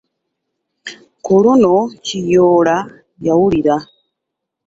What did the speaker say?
Ku luno Kiyoola yawulira.